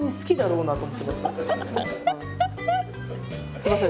すいません